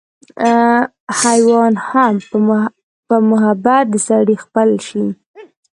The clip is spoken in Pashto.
حېوان هم پۀ محبت د سړي خپل شي